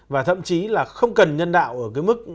và thậm chí là không cần nhân đạo ở cái mức